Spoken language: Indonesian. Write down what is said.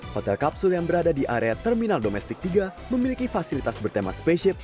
hotel kapsul yang berada di area terminal domestik tiga memiliki fasilitas bertema spaceship